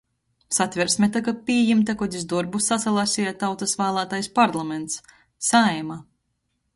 Satversme tyka pījimta, kod iz dorbu sasalaseja tautys vālātais parlaments — Saeima.